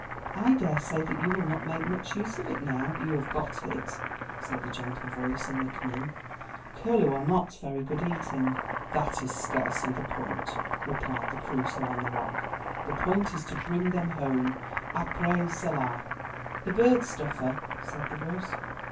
"I dare say that you will not make much use of it now that you have got it," said the gentle voice in the canoe. "Curlew are not very good eating." "That is scarcely the point," replied the Crusoe on the rock. "The point is to bring them home. Après cela——" "The birdstuffer?" said the voice.